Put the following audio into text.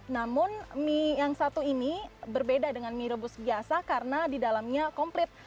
namun mie yang satu ini berbeda dengan mie rebus biasa karena di dalamnya komplit